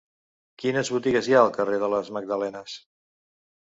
Quines botigues hi ha al carrer de les Magdalenes?